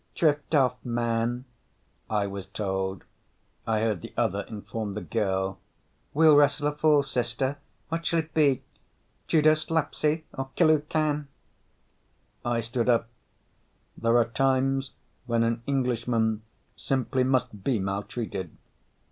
"Drift off, man," I was told. I heard the other inform the girl: "We'll wrestle a fall, sister. What shall it be? Judo, slapsie or kill who can?" I stood up. There are times when an Englishman simply must be mal treated.